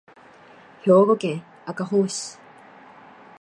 兵庫県赤穂市